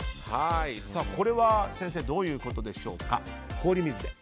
これは先生どういうことでしょうか、氷水で。